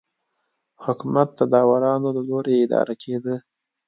حکومت د داورانو له لوري اداره کېده.